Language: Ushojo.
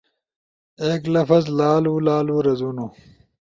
ایک لفظ لالولالو رزونو